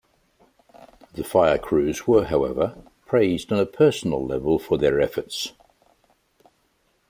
The fire crews were, however, praised on a personal level for their efforts.